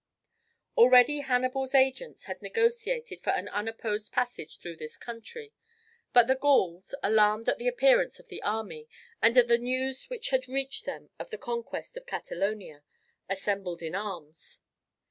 Already Hannibal's agents had negotiated for an unopposed passage through this country; but the Gauls, alarmed at the appearance of the army, and at the news which had reached them of the conquest of Catalonia, assembled in arms.